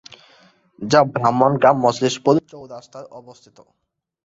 যা ব্রাহ্মণগ্রাম-মজলিশপুর চৌরাস্তায় অবস্থিত।